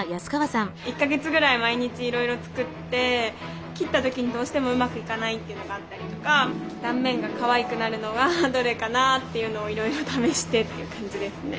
１か月ぐらい毎日いろいろ作って切った時にどうしてもうまくいかないっていうのがあったりとか断面がかわいくなるのがどれかなっていうのをいろいろ試してって感じですね。